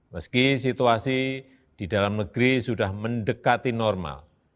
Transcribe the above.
meski situasi di dalam negeri sudah mendekati normal